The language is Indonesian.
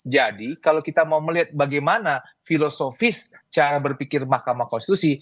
jadi kalau kita mau melihat bagaimana filosofis cara berpikir mahkamah konstitusi